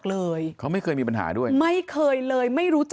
เหตุการณ์เกิดขึ้นแถวคลองแปดลำลูกกา